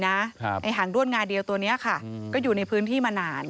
หางด้วนงาเดียวตัวนี้ค่ะก็อยู่ในพื้นที่มานาน